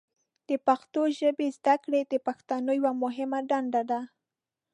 د پښتو ژبې زده کړه د پښتنو یوه مهمه دنده ده.